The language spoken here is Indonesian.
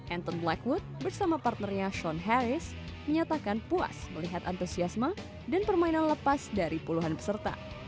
anton blackwood bersama partnernya shon harris menyatakan puas melihat antusiasme dan permainan lepas dari puluhan peserta